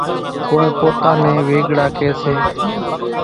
ڪونئين پوتا نين ويڳڙا ڪيَ سي۔